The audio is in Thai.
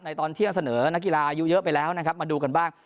ตอนเที่ยงเสนอนักกีฬาอายุเยอะไปแล้วนะครับมาดูกันบ้าง